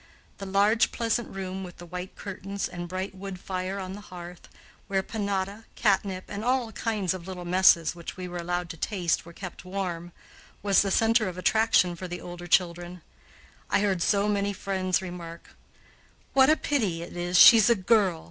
The large, pleasant room with the white curtains and bright wood fire on the hearth, where panada, catnip, and all kinds of little messes which we were allowed to taste were kept warm, was the center of attraction for the older children. I heard so many friends remark, "What a pity it is she's a girl!"